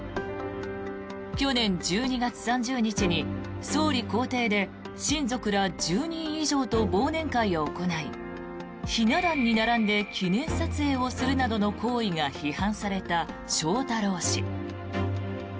去年１２月３０日に総理公邸で親族ら１０人以上と忘年会を行いひな壇に並んで記念撮影するなどの行為が批判された翔太郎氏。